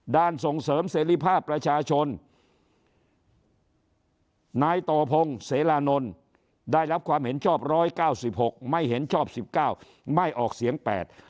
ด้านส่งเสริมเสรีภาพประชาชนนายต่อพงศ์เสลานนได้รับความเห็นชอบ๑๙๖คะแนนไม่เห็นชอบ๑๙คะแนนไม่ออกเสียง๘คะแนน